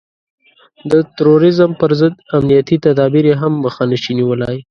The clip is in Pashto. د تروريزم پر ضد امنيتي تدابير يې هم مخه نشي نيولای.